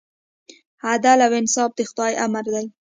عدل او انصاف د خدای امر دی.